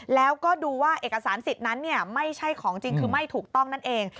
แล้วก็ดูว่าเอกสารสิทธิ์นั้นไม่ใช่ของจริงคือไม่ถูกต้องนั่นเอง